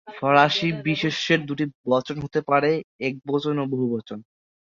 ফরাসি বিশেষ্যের দুইটি বচন হতে পারে: একবচন ও বহুবচন।